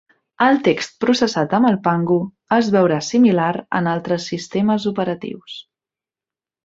El text processat amb el Pango es veurà similar en altres sistemes operatius.